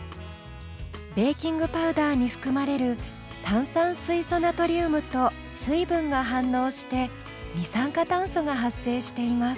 ベーキングパウダーに含まれる炭酸水素ナトリウムと水分が反応して二酸化炭素が発生しています。